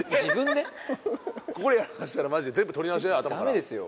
ここでやらかしたらマジで全部撮り直しだよ頭からダメですよ